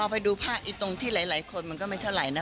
ไปดูภาพตรงที่หลายคนมันก็ไม่เท่าไหร่นะ